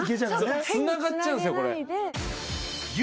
つながっちゃうんですよこれ。